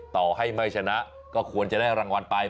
ต่อให้ไม่ชนะก็ควรจะได้รางวัลไป